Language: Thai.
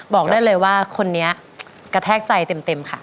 บอกได้เลยว่าคนนี้กระแทกใจเต็มค่ะ